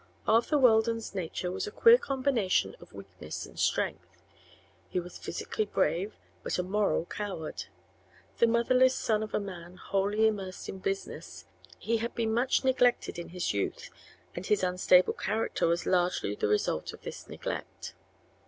Arthur Weldon's nature was a queer combination of weakness and strength. He was physically brave but a moral coward. The motherless son of a man wholly immersed in business, he had been much neglected in his youth and his unstable character was largely the result of this neglect.